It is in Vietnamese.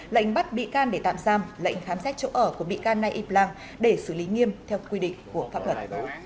lệnh bắt bị can để tạm giam lệnh khám xét chỗ ở của bị can nay y blang để xử lý nghiêm theo quy định của pháp luật